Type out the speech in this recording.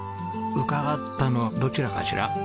伺ったのはどちらかしら？